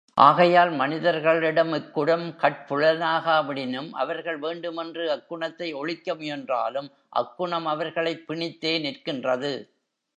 ஆகையால் மனிதர்களிடம் இக்குணம் கட்புலனாகாவிடினும், அவர்கள் வேண்டுமென்று அக்குணத்தை ஒழிக்க முயன்றாலும், அக்குணம் அவர்களைப் பிணித்தே நிற்கின்றது.